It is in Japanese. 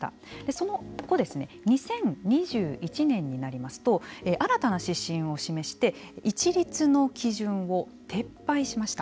その後２０２１年になりますと新たな指針を示して一律の基準を撤廃しました。